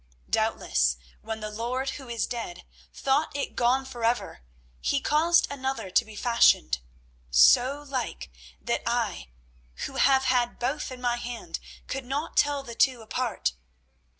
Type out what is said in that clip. Doubtless when the lord who is dead thought it gone forever he caused another to be fashioned, so like that I who have had both in my hand could not tell the two apart.